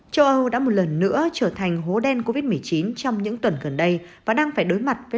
châu âu đã một lần nữa trở thành hố đen covid một mươi chín trong những tuần gần đây và đang phải đối mặt với